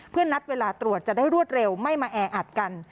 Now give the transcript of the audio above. เพื่อนัดเวลาตรวจจะได้รวดเร็วไม่มาแออัดกัน